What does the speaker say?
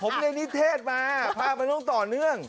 ผมเรียนนิเทศมาภาพมันต้องต่อเนื่อง